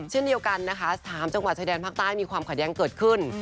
เช่นเดียวกันนะคะ๓จังหวัดชายแดนภาคใต้มีความขัดแย้งเกิดขึ้น